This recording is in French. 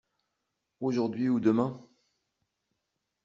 Aujourd’hui ou demain.